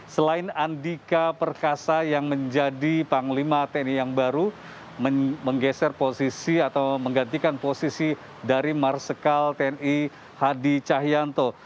selain andika perkasa yang menjadi panglima tni yang baru menggeser posisi atau menggantikan posisi dari marsikal tni hadi cahyanto